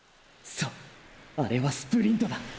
そうあれはスプリントだ！！